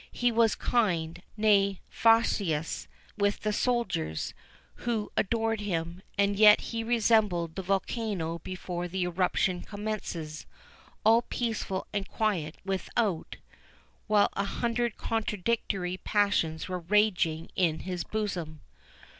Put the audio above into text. He was kind, nay, facetious, with the soldiers, who adored him; and yet he resembled the volcano before the eruption commences—all peaceful and quiet without, while an hundred contradictory passions were raging in his bosom.